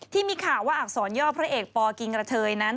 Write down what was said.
ที่มีข่าวว่าอักษรย่อพระเอกปกิงกระเทยนั้น